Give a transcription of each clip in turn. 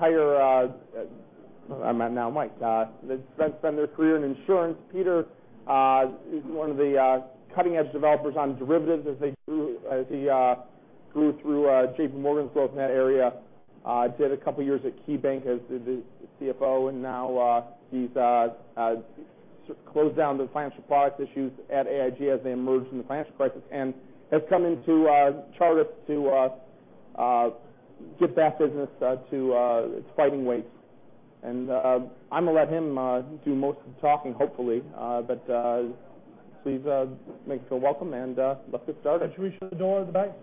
Hi. I'm now Mike. They've spent their career in insurance. Peter is one of the cutting-edge developers on derivatives as he grew through JPMorgan's role in that area. He did a couple of years at KeyBank as the CFO. Now he's closed down the financial products issues at AIG as they emerged from the financial crisis and has come into Chartis to get that business to its fighting weight. I'm going to let him do most of the talking, hopefully. Please make him feel welcome and let's get started. Should we shut the door at the back?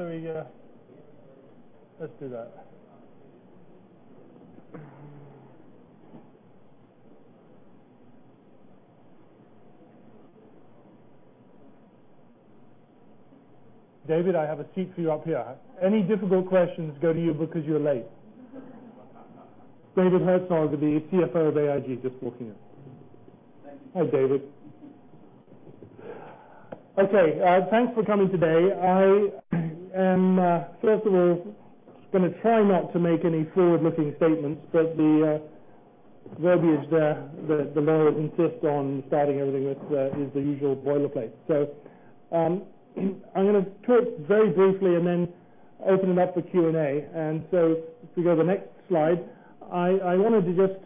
Let's do that. David, I have a seat for you up here. Any difficult questions go to you because you're late. David Herzog, the CFO of AIG, just walking in. Thank you. Hi, David. Thanks for coming today. I am, first of all, going to try not to make any forward-looking statements, but the verbiage there, the law insists on starting everything with is the usual boilerplate. I'm going to talk very briefly and then open it up for Q&A. If you go to the next slide, I wanted to just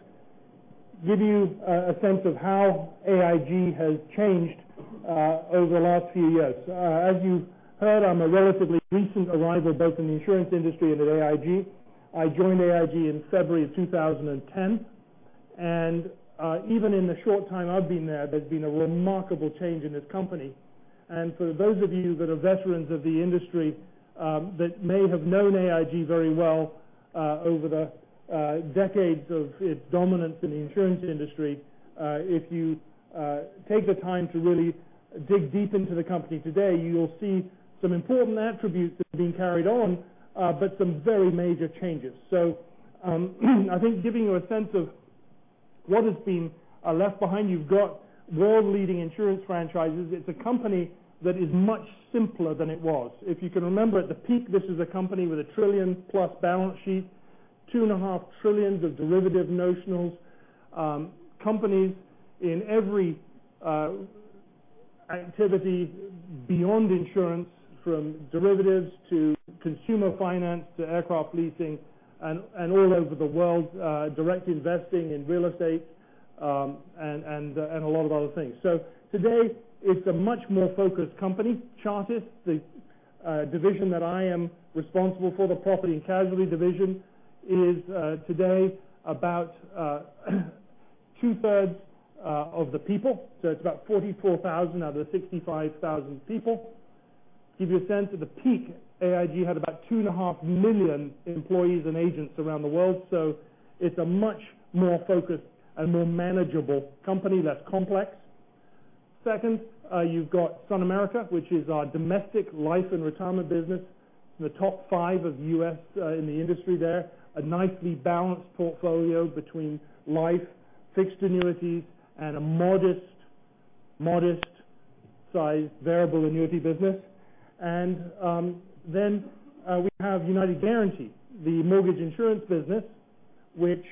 give you a sense of how AIG has changed over the last few years. As you've heard, I'm a relatively recent arrival, both in the insurance industry and at AIG. I joined AIG in February of 2010. Even in the short time I've been there's been a remarkable change in this company. For those of you that are veterans of the industry that may have known AIG very well over the decades of its dominance in the insurance industry, if you take the time to really dig deep into the company today, you will see some important attributes that have been carried on, but some very major changes. I think giving you a sense of what has been left behind. You've got world-leading insurance franchises. It's a company that is much simpler than it was. If you can remember, at the peak, this was a company with a trillion-plus balance sheet, 2.5 trillion of derivative notionals. Companies in every activity beyond insurance, from derivatives to consumer finance to aircraft leasing, and all over the world, direct investing in real estate, and a lot of other things. Today it's a much more focused company. Chartis, the division that I am responsible for, the property and casualty division, is today about two-thirds of the people. It's about 44,000 out of the 65,000 people. Give you a sense, at the peak, AIG had about 2.5 million employees and agents around the world. It's a much more focused and more manageable company that's complex. Second, you've got SunAmerica, which is our domestic life and retirement business, the top five of U.S. in the industry there. A nicely balanced portfolio between life, fixed annuities, and a modest-sized variable annuity business. Then we have United Guaranty, the mortgage insurance business, which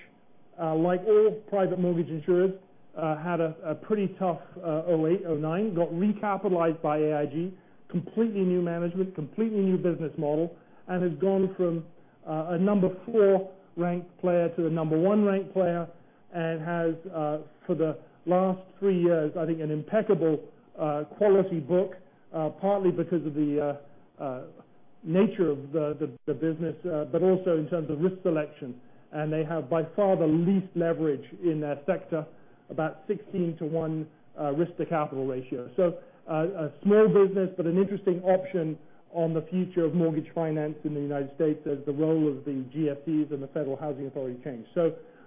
like all private mortgage insurers had a pretty tough 2008, 2009. Got recapitalized by AIG. Completely new management, completely new business model, and has gone from a number 4 ranked player to the number 1 ranked player. Has for the last three years, I think, an impeccable quality book, partly because of the nature of the business, but also in terms of risk selection. They have by far the least leverage in their sector, about 16 to 1 risk to capital ratio. A small business, but an interesting option on the future of mortgage finance in the United States as the role of the GSEs and the Federal Housing Administration change.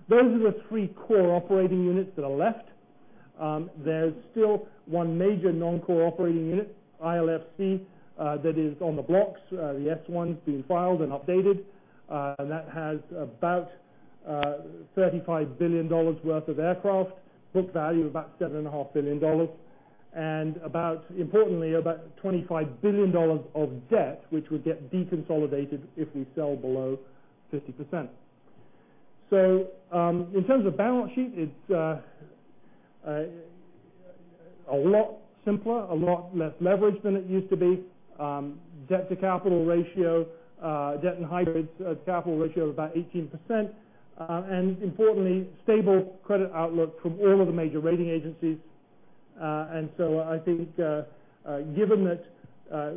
Those are the three core operating units that are left. There's still 1 major non-core operating unit, ILFC, that is on the blocks. The S-1's been filed and updated, and that has about $35 billion worth of aircraft. Book value of about $7.5 billion. Importantly, about $25 billion of debt, which would get deconsolidated if we sell below 50%. In terms of balance sheet, it's a lot simpler, a lot less leverage than it used to be. Debt to capital ratio. Debt and hybrids capital ratio of about 18%. Importantly, stable credit outlook from all of the major rating agencies. I think, given that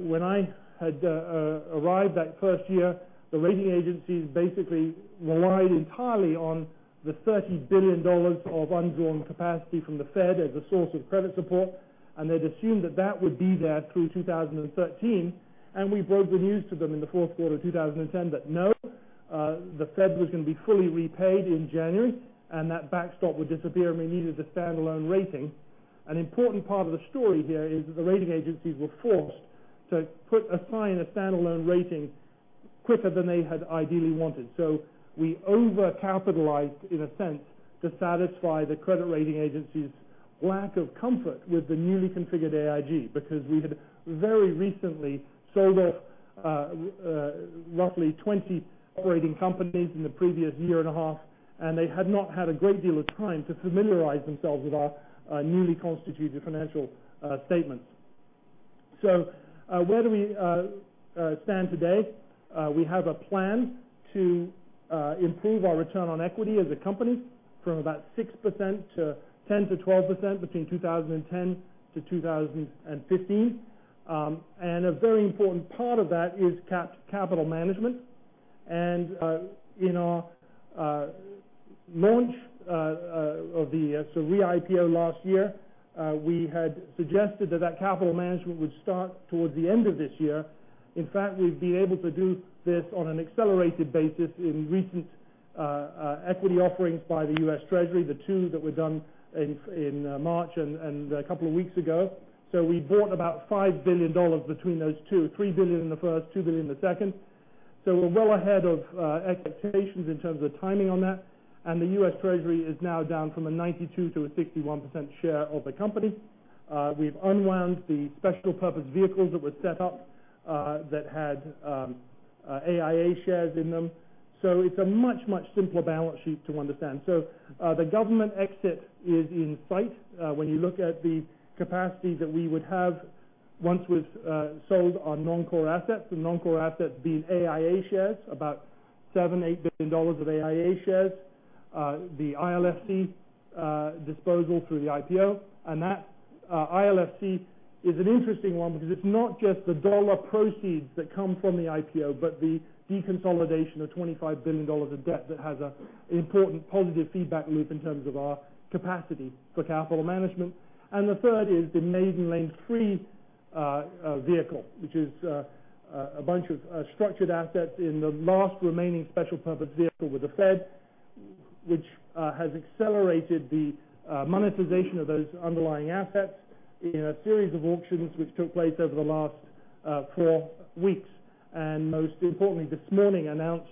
when I had arrived that first year, the rating agencies basically relied entirely on the $30 billion of undrawn capacity from the Fed as a source of credit support, and they'd assumed that that would be there through 2013. We broke the news to them in the fourth quarter 2010 that, no, the Fed was going to be fully repaid in January, and that backstop would disappear, and we needed a standalone rating. An important part of the story here is that the rating agencies were forced to assign a standalone rating quicker than they had ideally wanted. We overcapitalized, in a sense, to satisfy the credit rating agencies' lack of comfort with the newly configured AIG, because we had very recently sold off roughly 20 operating companies in the previous year and a half, and they had not had a great deal of time to familiarize themselves with our newly constituted financial statements. Where do we stand today? We have a plan to improve our return on equity as a company from about 6% to 10%-12% between 2010-2015. A very important part of that is capital management. In our launch of the re-IPO last year, we had suggested that that capital management would start towards the end of this year. In fact, we'd be able to do this on an accelerated basis in recent equity offerings by the U.S. Treasury, the two that were done in March and a couple of weeks ago. We bought about $5 billion between those two, $3 billion in the first, $2 billion in the second. We're well ahead of expectations in terms of timing on that, and the U.S. Treasury is now down from a 92% to a 61% share of the company. We've unwound the special purpose vehicles that were set up that had AIA shares in them. It's a much, much simpler balance sheet to understand. The government exit is in sight when you look at the capacity that we would have once we've sold our non-core assets, the non-core assets being AIA shares, about $7 billion, $8 billion of AIA shares, the ILFC disposal through the IPO. That ILFC is an interesting one because it's not just the dollar proceeds that come from the IPO, but the deconsolidation of $25 billion of debt that has an important positive feedback loop in terms of our capacity for capital management. The third is the Maiden Lane III vehicle, which is a bunch of structured assets in the last remaining special purpose vehicle with the Fed, which has accelerated the monetization of those underlying assets in a series of auctions which took place over the last four weeks. Most importantly, this morning, announced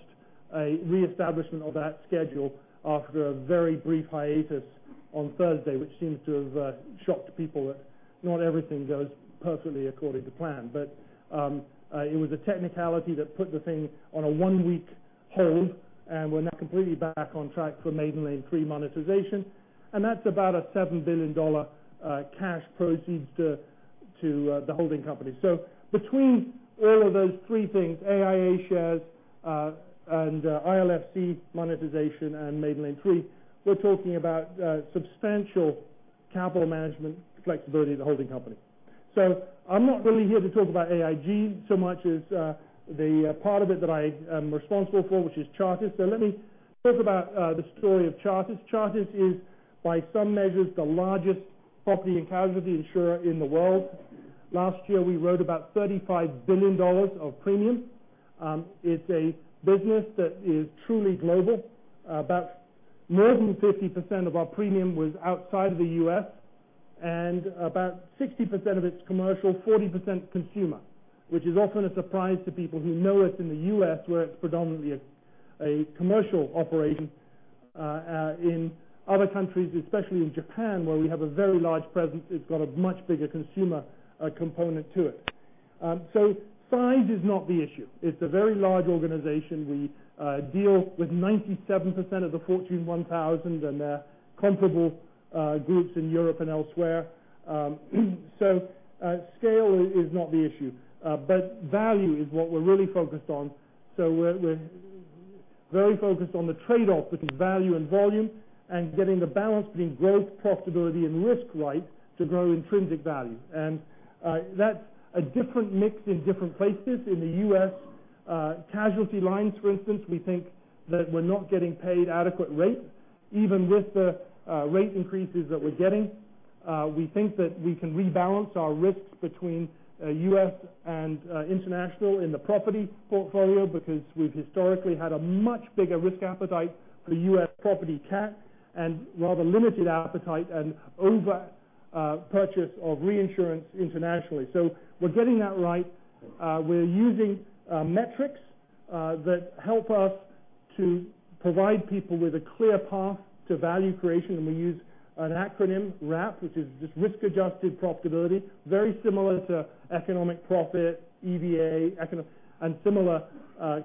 a reestablishment of that schedule after a very brief hiatus on Thursday, which seems to have shocked people that not everything goes perfectly according to plan. It was a technicality that put the thing on a one-week hold, and we're now completely back on track for Maiden Lane III monetization. That's about a $7 billion cash proceeds to the holding company. Between all of those three things, AIA shares and ILFC monetization and Maiden Lane III, we're talking about substantial capital management flexibility of the holding company. I'm not really here to talk about AIG so much as the part of it that I am responsible for, which is Chartis. Let me talk about the story of Chartis. Chartis is, by some measures, the largest property and casualty insurer in the world. Last year, we wrote about $35 billion of premium. It's a business that is truly global. About more than 50% of our premium was outside of the U.S., and about 60% of it's commercial, 40% consumer, which is often a surprise to people who know us in the U.S., where it's predominantly a commercial operation. In other countries, especially in Japan, where we have a very large presence, it's got a much bigger consumer component to it. Size is not the issue. It's a very large organization. We deal with 97% of the Fortune 1,000 and comparable groups in Europe and elsewhere. Scale is not the issue. Value is what we're really focused on. We're very focused on the trade-off between value and volume and getting the balance between growth, profitability, and risk right to grow intrinsic value. That's a different mix in different places. In the U.S. casualty lines, for instance, we think that we're not getting paid adequate rate, even with the rate increases that we're getting. We think that we can rebalance our risks between U.S. and international in the property portfolio because we've historically had a much bigger risk appetite for U.S. property CAT and rather limited appetite and over purchase of reinsurance internationally. We're getting that right. We're using metrics that help us to provide people with a clear path to value creation, and we use an acronym, RAP, which is just risk-adjusted profitability. Very similar to economic profit, EVA, and similar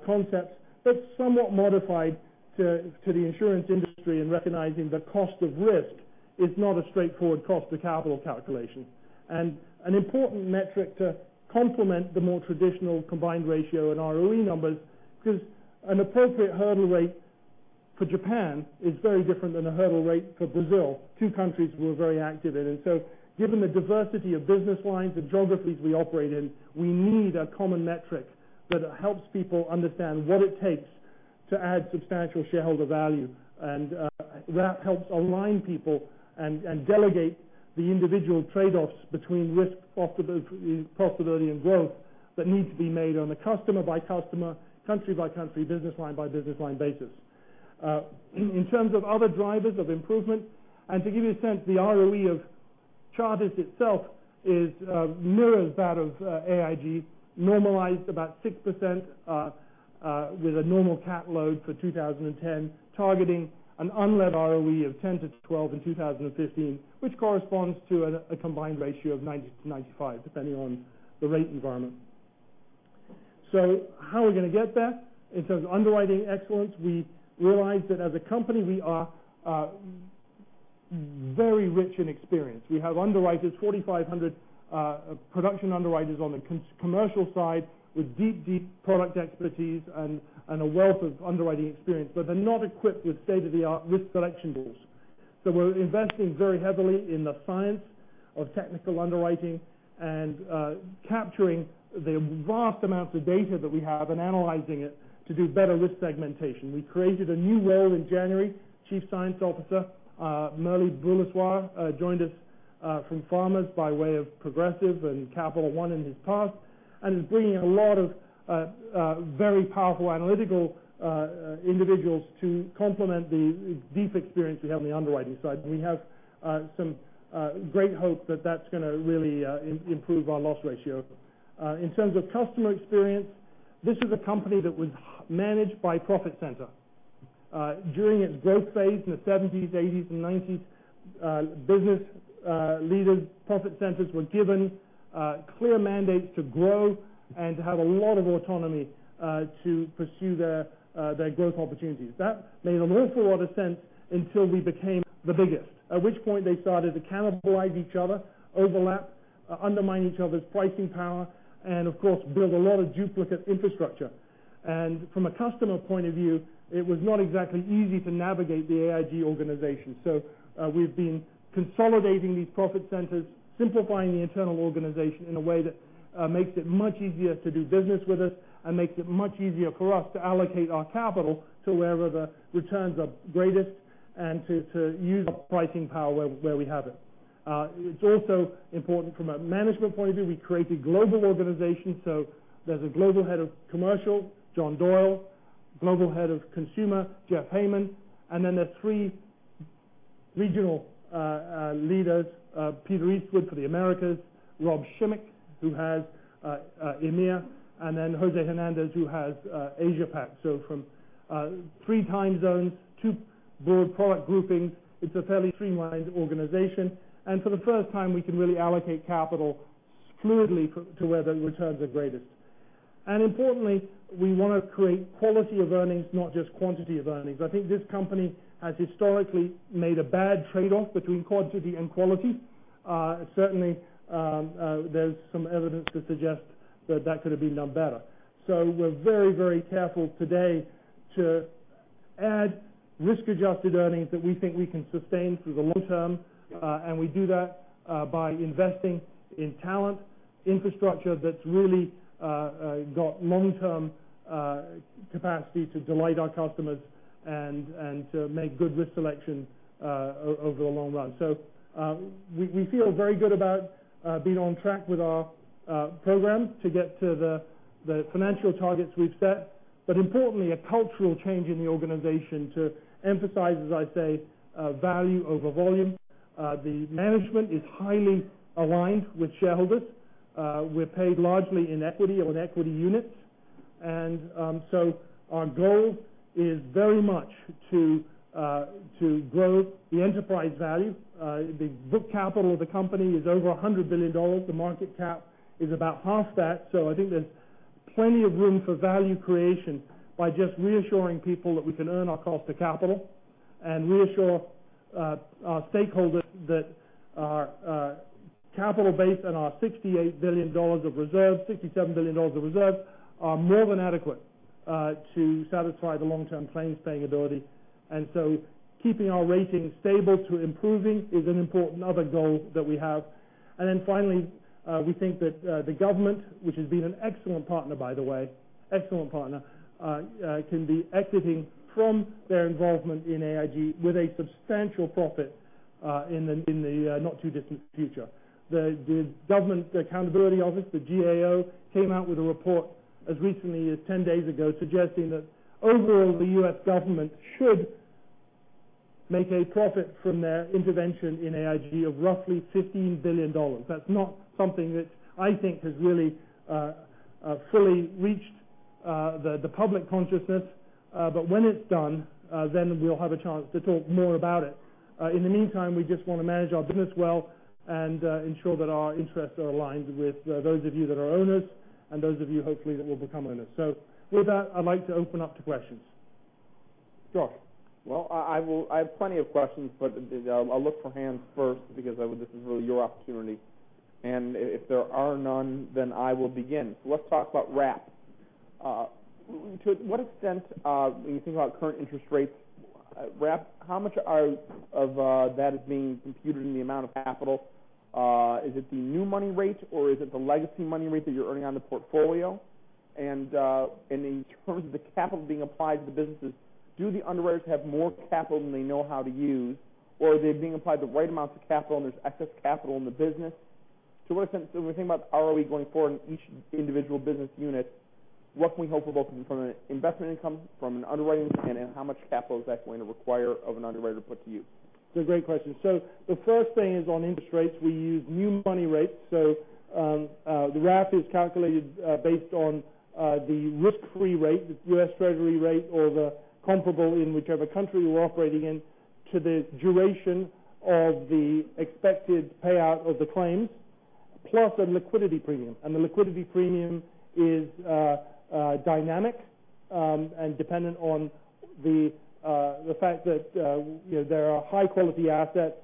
concepts, but somewhat modified to the insurance industry and recognizing the cost of risk is not a straightforward cost to capital calculation. An important metric to complement the more traditional combined ratio and ROE numbers, because an appropriate hurdle rate for Japan is very different than a hurdle rate for Brazil, two countries we're very active in. Given the diversity of business lines and geographies we operate in, we need a common metric that helps people understand what it takes to add substantial shareholder value. That helps align people and delegate the individual trade-offs between risk, profitability, and growth that need to be made on a customer by customer, country by country, business line by business line basis. In terms of other drivers of improvement, to give you a sense, the ROE of Chartis itself mirrors that of AIG, normalized about 6% with a normal CAT load for 2010, targeting an unlevered ROE of 10-12 in 2015, which corresponds to a combined ratio of 90-95, depending on the rate environment. How are we going to get there? In terms of underwriting excellence, we realized that as a company, we are very rich in experience. We have underwriters, 4,500 production underwriters on the commercial side with deep product expertise and a wealth of underwriting experience. They're not equipped with state-of-the-art risk selection tools. We're investing very heavily in the science of technical underwriting and capturing the vast amounts of data that we have and analyzing it to do better risk segmentation. We created a new role in January, Chief Science Officer. Murli Buluswar joined us from Farmers by way of Progressive and Capital One in his past, and is bringing a lot of very powerful analytical individuals to complement the deep experience we have on the underwriting side. We have some great hope that that's going to really improve our loss ratio. In terms of customer experience, this is a company that was managed by profit center. During its growth phase in the '70s, '80s, and '90s, business leaders, profit centers were given clear mandates to grow and to have a lot of autonomy to pursue their growth opportunities. That made an awful lot of sense until we became the biggest, at which point they started to cannibalize each other, overlap, undermine each other's pricing power, and of course, build a lot of duplicate infrastructure. From a customer point of view, it was not exactly easy to navigate the AIG organization. We've been consolidating these profit centers, simplifying the internal organization in a way that makes it much easier to do business with us and makes it much easier for us to allocate our capital to wherever the returns are greatest and to use our pricing power where we have it. It's also important from a management point of view. We created global organizations, there's a Global Head of Commercial, John Doyle, Global Head of Consumer, Jeff Hayman, and then there's three regional leaders, Peter Eastwood for the Americas, Rob Schimek, who has EMEA, and then Jose Hernandez, who has Asia Pac. From three time zones, two broad product groupings, it's a fairly streamlined organization. For the first time, we can really allocate capital fluidly to where the returns are greatest. Importantly, we want to create quality of earnings, not just quantity of earnings. I think this company has historically made a bad trade-off between quantity and quality. Certainly, there's some evidence to suggest that could have been done better. We're very careful today to add risk-adjusted earnings that we think we can sustain through the long term, and we do that by investing in talent, infrastructure that's really got long-term capacity to delight our customers and to make good risk selection over the long run. We feel very good about being on track with our program to get to the financial targets we've set. Importantly, a cultural change in the organization to emphasize, as I say, value over volume. The management is highly aligned with shareholders. We're paid largely in equity or in equity units. Our goal is very much to grow the enterprise value. The book capital of the company is over $100 billion. The market cap is about half that. I think there's plenty of room for value creation by just reassuring people that we can earn our cost of capital and reassure our stakeholders that our capital base and our $68 billion of reserves, $67 billion of reserves, are more than adequate to satisfy the long-term claims-paying ability. Keeping our ratings stable to improving is an important other goal that we have. Finally, we think that the government, which has been an excellent partner, by the way, can be exiting from their involvement in AIG with a substantial profit in the not too distant future. The Government Accountability Office, the GAO, came out with a report as recently as 10 days ago suggesting that overall, the U.S. government should make a profit from their intervention in AIG of roughly $15 billion. That's not something that I think has really fully reached the public consciousness. When it's done, then we'll have a chance to talk more about it. In the meantime, we just want to manage our business well and ensure that our interests are aligned with those of you that are owners and those of you, hopefully, that will become owners. With that, I'd like to open up to questions. Josh. Well, I have plenty of questions, but I'll look for hands first because this is really your opportunity. If there are none, then I will begin. Let's talk about RAP. To what extent when you think about current interest rates, RAP, how much of that is being computed in the amount of capital? Is it the new money rate, or is it the legacy money rate that you're earning on the portfolio? In terms of the capital being applied to the businesses, do the underwriters have more capital than they know how to use, or are they being applied the right amounts of capital and there's excess capital in the business? When we think about ROE going forward in each individual business unit, what can we hope will both come from an investment income, from an underwriting, and how much capital is that going to require of an underwriter to put to use? That's a great question. The first thing is on interest rates, we use new money rates. The RAP is calculated based on the risk-free rate, the U.S. Treasury rate, or the comparable in whichever country we're operating in, to the duration of the expected payout of the claims, plus a liquidity premium. The liquidity premium is dynamic and dependent on the fact that there are high-quality assets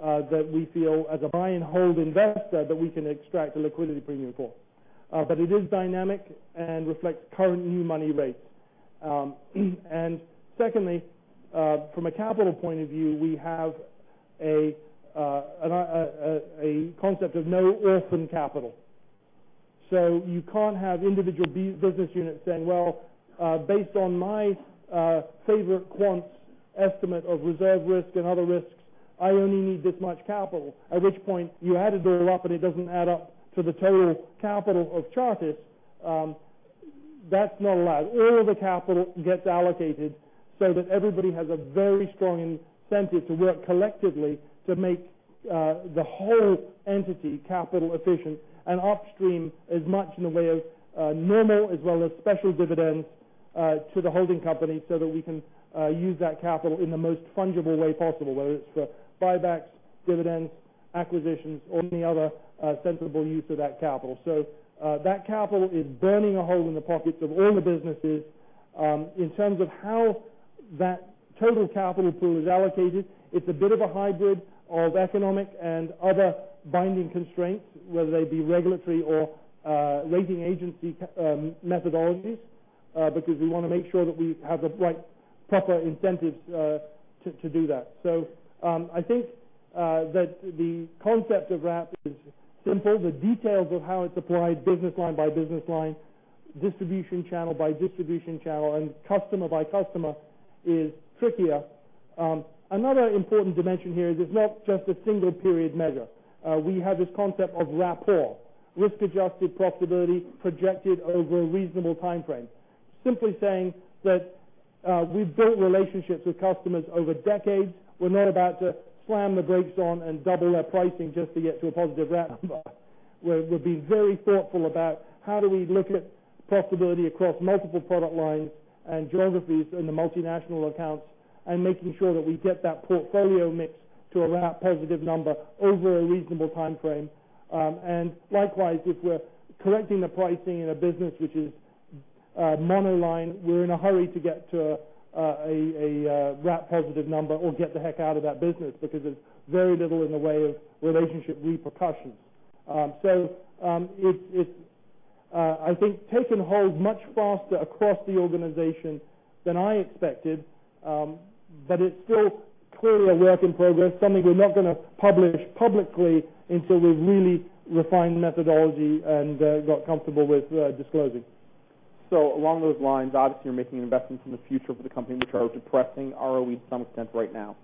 that we feel as a buy and hold investor that we can extract a liquidity premium for. It is dynamic and reflects current new money rates. Secondly, from a capital point of view, we have a concept of no orphan capital. You can't have individual business units saying, "Well, based on my favorite quant's estimate of reserve risk and other risks, I only need this much capital." At which point you added it all up and it doesn't add up to the total capital of Chartis. That's not allowed. All of the capital gets allocated so that everybody has a very strong incentive to work collectively to make the whole entity capital efficient, and upstream as much in the way of normal as well as special dividends to the holding company so that we can use that capital in the most fungible way possible, whether it's for buybacks, dividends, acquisitions, or any other sensible use of that capital. That capital is burning a hole in the pockets of all the businesses. In terms of how that total capital pool is allocated, it's a bit of a hybrid of economic and other binding constraints, whether they be regulatory or rating agency methodologies, because we want to make sure that we have the right, proper incentives to do that. I think that the concept of RAP is simple. The details of how it's applied business line by business line, distribution channel by distribution channel, and customer by customer is trickier. Another important dimension here is it's not just a single period measure. We have this concept of RAP-POR, risk-adjusted profitability projected over a reasonable timeframe. Simply saying that we've built relationships with customers over decades. We're not about to slam the brakes on and double their pricing just to get to a positive RAP number. We're being very thoughtful about how do we look at profitability across multiple product lines and geographies in the multinational accounts, and making sure that we get that portfolio mix to a RAP positive number over a reasonable timeframe. Likewise, if we're correcting the pricing in a business which is monoline, we're in a hurry to get to a RAP positive number or get the heck out of that business because there's very little in the way of relationship repercussions. It's I think taken hold much faster across the organization than I expected. It's still clearly a work in progress, something we're not going to publish publicly until we've really refined the methodology and got comfortable with disclosing. Along those lines, obviously, you're making investments in the future for the company, which are depressing ROE to some extent right now.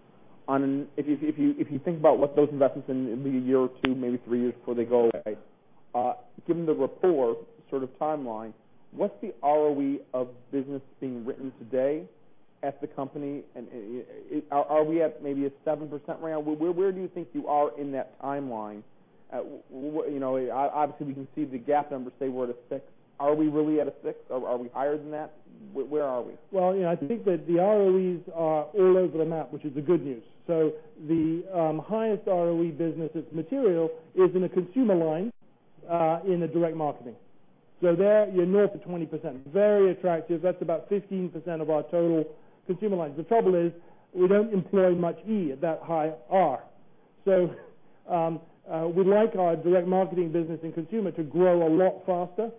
If you think about what those investments in maybe a year or two, maybe three years before they go away given the RAP-POR sort of timeline, what's the ROE of business being written today at the company? Are we at maybe a 7% round? Where do you think you are in that timeline? Obviously, we can see the GAAP numbers say we're at a six. Are we really at a six? Are we higher than that? Where are we? Well, I think that the ROEs are all over the map, which is the good news. The highest ROE business that's material is in a consumer line in a direct marketing. There you're north of 20%, very attractive. That's about 15% of our total consumer lines. The trouble is we don't employ much E at that high R. We'd like our direct marketing business and consumer to grow a lot faster.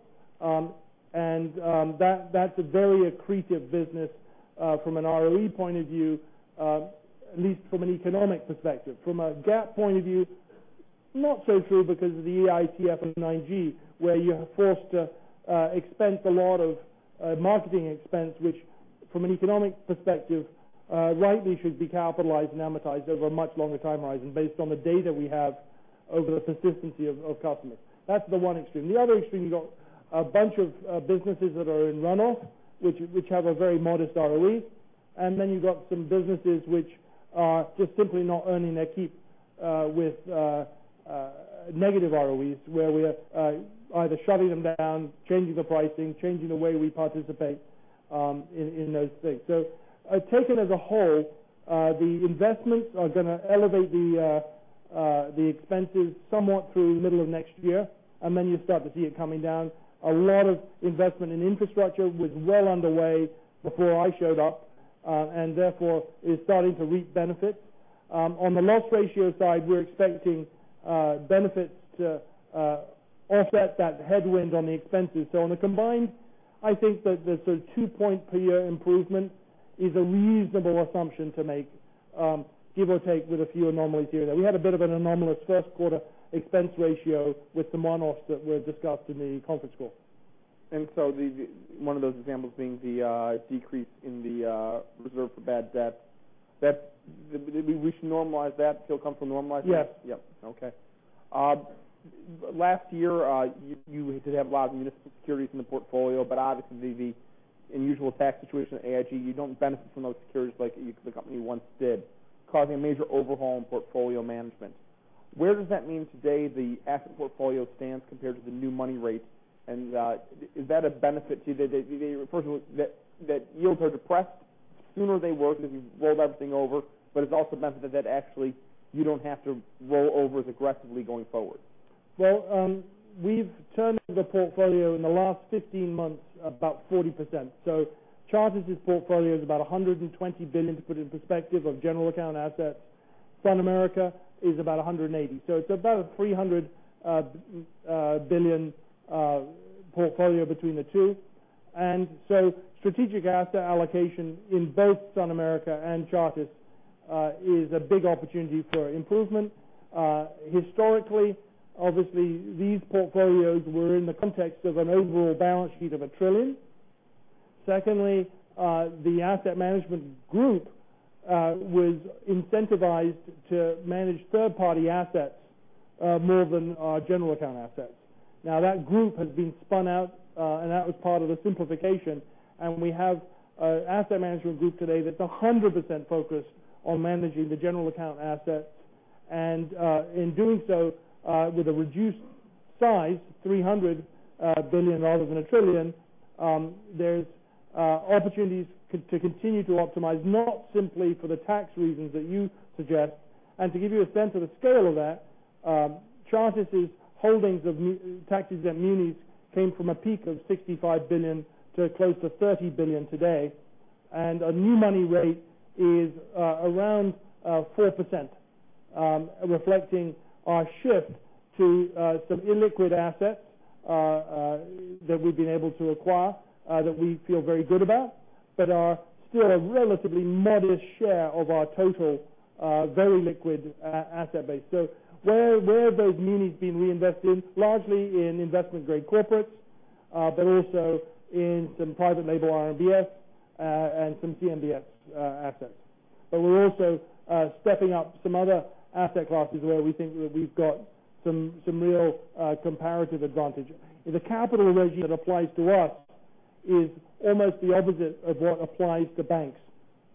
That's a very accretive business from an ROE point of view, at least from an economic perspective. From a GAAP point of view, not so true because of the EICF and IIG, where you're forced to expense a lot of marketing expense, which from an economic perspective rightly should be capitalized and amortized over a much longer time horizon based on the data we have over the consistency of customers. That's the one extreme. The other extreme, you've got a bunch of businesses that are in runoff, which have a very modest ROE. You've got some businesses which are just simply not earning their keep with negative ROEs where we are either shutting them down, changing the pricing, changing the way we participate in those things. Taken as a whole, the investments are going to elevate the expenses somewhat through the middle of next year, and then you'll start to see it coming down. A lot of investment in infrastructure was well underway before I showed up and therefore is starting to reap benefits. On the loss ratio side, we're expecting benefits to offset that headwind on the expenses. On a combined, I think that there's a two-point per year improvement is a reasonable assumption to make, give or take with a few anomalies here and there. We had a bit of an anomalous first quarter expense ratio with the one-offs that were discussed in the conference call. One of those examples being the decrease in the reserve for bad debt. We should normalize that, feel comfortable normalizing that? Yes. Yep. Okay. Last year, you did have a lot of municipal securities in the portfolio, but obviously the unusual tax situation at AIG, you don't benefit from those securities like the company once did, causing a major overhaul in portfolio management. Where does that mean today the asset portfolio stands compared to the new money rates? Firstly, that yields are depressed sooner they were because we rolled everything over, but it's also meant that actually you don't have to roll over as aggressively going forward. Well, we've turned the portfolio in the last 15 months about 40%. Chartis' portfolio is about $120 billion, to put it in perspective, of general account assets. SunAmerica is about $180 billion. It's about a $300 billion portfolio between the two. Strategic asset allocation in both SunAmerica and Chartis is a big opportunity for improvement. Historically, obviously, these portfolios were in the context of an overall balance sheet of $1 trillion. Secondly, the asset management group was incentivized to manage third-party assets more than general account assets. Now, that group has been spun out and that was part of the simplification. We have an asset management group today that's 100% focused on managing the general account assets. In doing so with a reduced size, $300 billion than $1 trillion, there's opportunities to continue to optimize, not simply for the tax reasons that you suggest. To give you a sense of the scale of that, Chartis' holdings of tax-exempt munis came from a peak of $65 billion to close to $30 billion today. A new money rate is around 4%, reflecting our shift to some illiquid assets that we've been able to acquire that we feel very good about, but are still a relatively modest share of our total very liquid asset base. Where have those munis been reinvested? Largely in investment-grade corporates, but also in some private label RMBS and some CMBS assets. We're also stepping up some other asset classes where we think that we've got some real comparative advantage. The capital regime that applies to us is almost the opposite of what applies to banks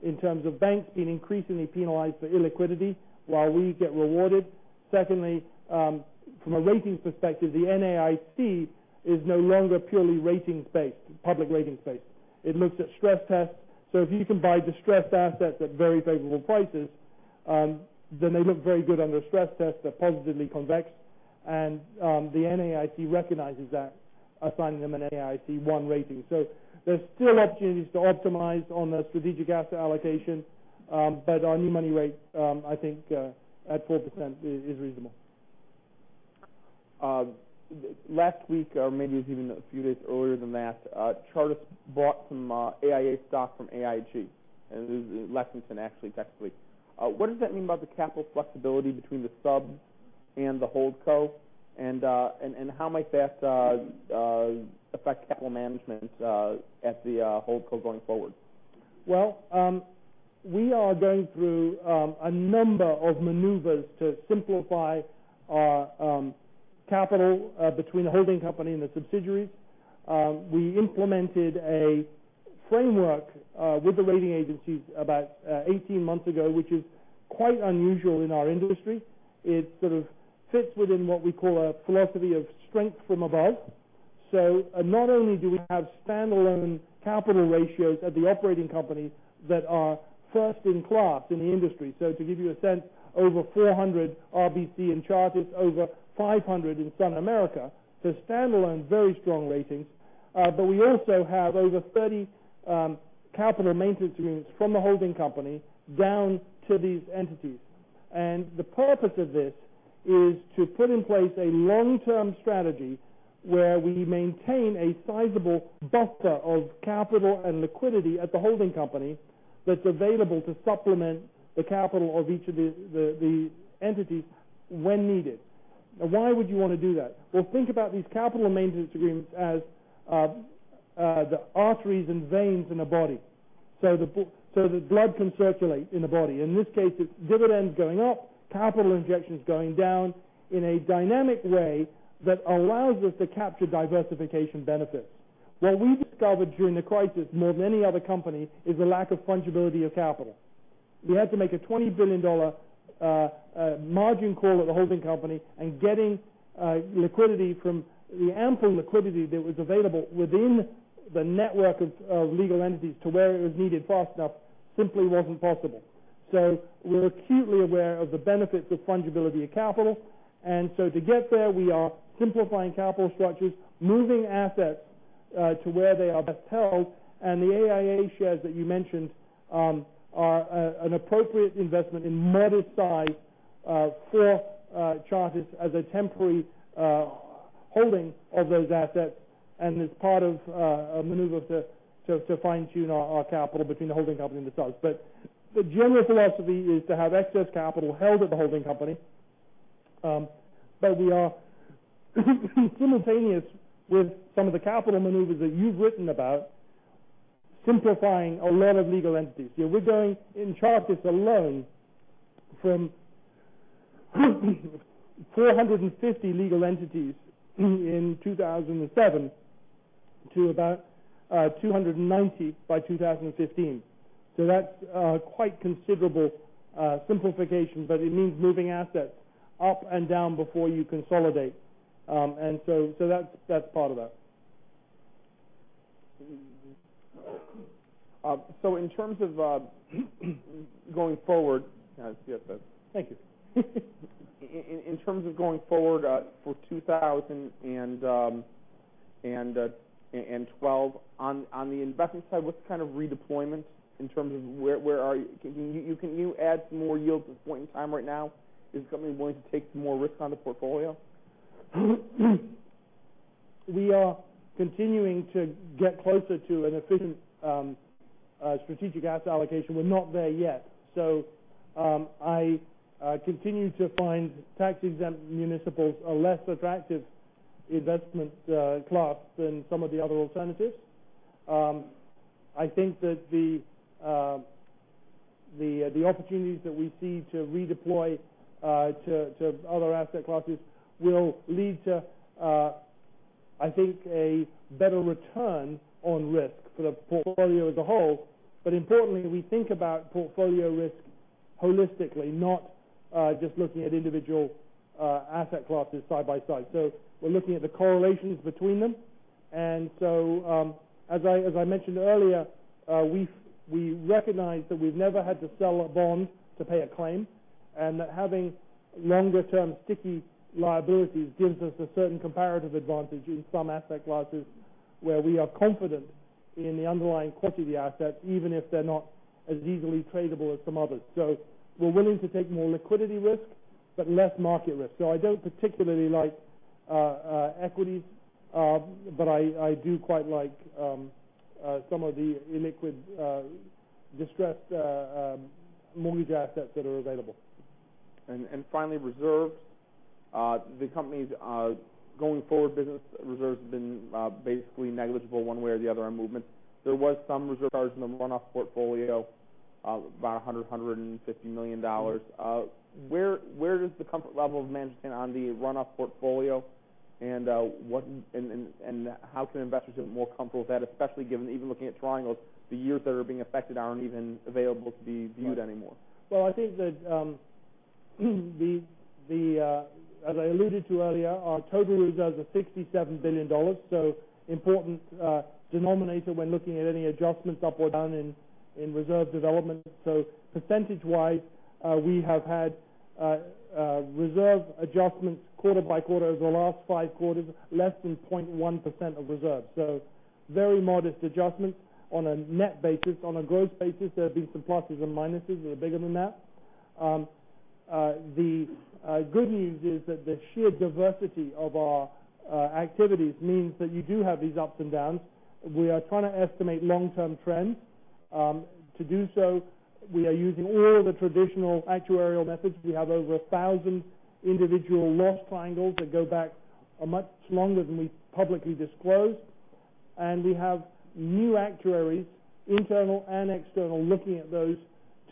in terms of banks being increasingly penalized for illiquidity while we get rewarded. Secondly, from a ratings perspective, the NAIC is no longer purely ratings-based, public ratings-based. It looks at stress tests. If you can buy distressed assets at very favorable prices, then they look very good under stress tests. They're positively convex. The NAIC recognizes that, assigning them an NAIC 1 rating. There's still opportunities to optimize on the strategic asset allocation. Our new money rate, I think at 4%, is reasonable. Last week, or maybe it was even a few days earlier than that, Chartis bought some AIA stock from AIG. What does that mean about the capital flexibility between the sub and the holdco? How might that affect capital management at the holdco going forward? Well, we are going through a number of maneuvers to simplify our capital between the holding company and the subsidiaries. We implemented a framework with the rating agencies about 18 months ago, which is quite unusual in our industry. It sort of fits within what we call a philosophy of strength from above. Not only do we have standalone capital ratios at the operating companies that are first in class in the industry. To give you a sense, over 400 RBC in Chartis, over 500 in SunAmerica. Standalone, very strong ratings. We also have over 30 capital maintenance agreements from the holding company down to these entities. The purpose of this is to put in place a long-term strategy where we maintain a sizable buffer of capital and liquidity at the holding company that's available to supplement the capital of each of the entities when needed. Now, why would you want to do that? Well, think about these capital maintenance agreements as the arteries and veins in a body. The blood can circulate in a body. In this case, it's dividends going up, capital injections going down in a dynamic way that allows us to capture diversification benefits. What we discovered during the crisis more than any other company is the lack of fungibility of capital. We had to make a $20 billion margin call at the holding company and getting liquidity from the ample liquidity that was available within the network of legal entities to where it was needed fast enough simply wasn't possible. We're acutely aware of the benefits of fungibility of capital. To get there, we are simplifying capital structures, moving assets to where they are best held. The AIA shares that you mentioned are an appropriate investment in modest size for Chartis as a temporary holding of those assets and is part of a maneuver to fine-tune our capital between the holding company and the subs. The general philosophy is to have excess capital held at the holding company. We are simultaneous with some of the capital maneuvers that you've written about, simplifying a lot of legal entities. We're going in Chartis alone from 450 legal entities in 2007 to about 290 by 2015. That's quite considerable simplification, but it means moving assets up and down before you consolidate. That's part of that. In terms of going forward. Yeah, it's CSS. Thank you. In terms of going forward for 2012 on the investment side, what's the kind of redeployment in terms of where are you? Can you add some more yield to the point in time right now? Is the company going to take some more risks on the portfolio? We are continuing to get closer to an efficient strategic asset allocation. We're not there yet. I continue to find tax-exempt municipals a less attractive investment class than some of the other alternatives. I think that the opportunities that we see to redeploy to other asset classes will lead to I think a better return on risk for the portfolio as a whole. Importantly, we think about portfolio risk holistically, not just looking at individual asset classes side by side. We're looking at the correlations between them. As I mentioned earlier, we recognize that we've never had to sell a bond to pay a claim, and that having longer term sticky liabilities gives us a certain comparative advantage in some asset classes where we are confident in the underlying quality of the assets, even if they're not as easily tradable as some others. We're willing to take more liquidity risk, but less market risk. I don't particularly like equities. I do quite like some of the illiquid distressed mortgage assets that are available. Finally, reserves. The company's going forward business reserves have been basically negligible one way or the other on movement. There was some reserve charge in the runoff portfolio of about $100 million-$150 million. Where is the comfort level of management on the runoff portfolio and how can investors get more comfortable with that, especially given even looking at triangles, the years that are being affected aren't even available to be viewed anymore? Well, I think that as I alluded to earlier, our total reserves are $67 billion. Important denominator when looking at any adjustments up or down in reserve development. Percentage wise, we have had reserve adjustments quarter by quarter over the last five quarters, less than 0.1% of reserves. Very modest adjustments on a net basis. On a gross basis, there have been some pluses and minuses that are bigger than that. The good news is that the sheer diversity of our activities means that you do have these ups and downs. We are trying to estimate long term trends. To do so, we are using all the traditional actuarial methods. We have over 1,000 individual loss triangles that go back much longer than we publicly disclose. We have new actuaries, internal and external, looking at those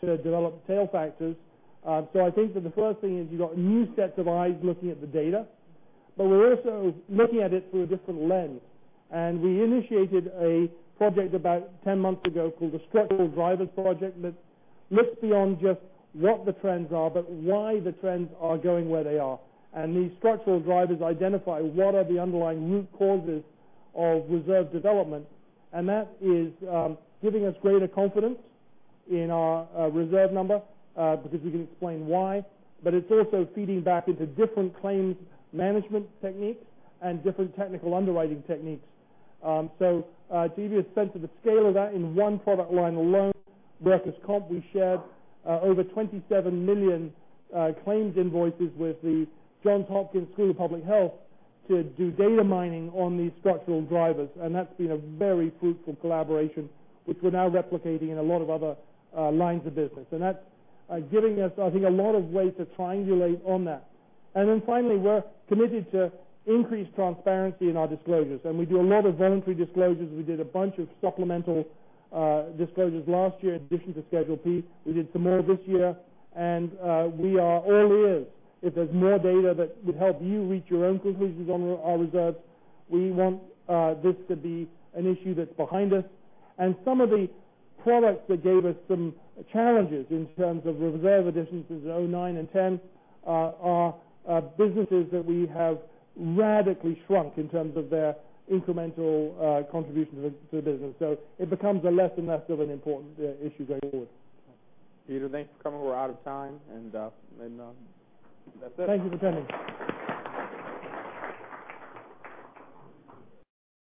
to develop tail factors. I think that the first thing is you got new sets of eyes looking at the data, we're also looking at it through a different lens. We initiated a project about 10 months ago called the Structural Drivers Project that looks beyond just what the trends are, why the trends are going where they are. These structural drivers identify what are the underlying root causes of reserve development. That is giving us greater confidence in our reserve number because we can explain why. It's also feeding back into different claims management techniques and different technical underwriting techniques. To give you a sense of the scale of that in one product line alone, Workers' Comp, we shared over 27 million claims invoices with the Johns Hopkins School of Public Health to do data mining on these structural drivers. That's been a very fruitful collaboration, which we're now replicating in a lot of other lines of business. That's giving us, I think, a lot of ways to triangulate on that. Finally, we're committed to increased transparency in our disclosures. We do a lot of voluntary disclosures. We did a bunch of supplemental disclosures last year in addition to Schedule P. We did some more this year. We are all ears if there's more data that would help you reach your own conclusions on our reserves. We want this to be an issue that's behind us. Some of the products that gave us some challenges in terms of reserve additions in 2009 and 2010 are businesses that we have radically shrunk in terms of their incremental contribution to the business. It becomes a less and less of an important issue going forward. Peter, thanks for coming. We're out of time. That's it. Thank you for coming.